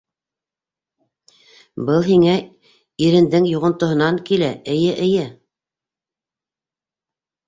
Был һиңә ирендең йоғонтоһонан килә, эйе, эйе!